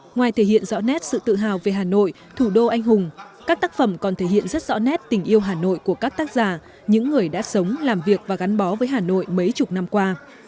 ngoài thể hiện rõ nét sự tự hào về hà nội thủ đô anh hùng các tác phẩm còn thể hiện rất rõ nét tình yêu hà nội của các tác giả những người đã sống làm việc và gắn bó với hà nội mấy chục năm qua